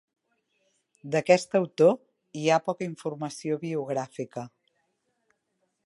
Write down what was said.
D'aquest autor hi ha poca informació biogràfica.